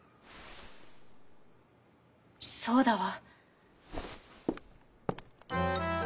「そうだわ」。